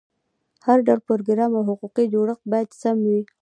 هر ډول پروګرام او حقوقي جوړښت باید سم وي.